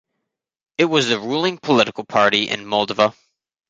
It was the ruling political party in Moldova.